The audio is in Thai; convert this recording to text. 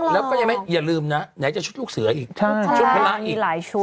แล้วก็อย่าลืมนะไหนจะชุดลูกเสืออีกชุดพระรังอีก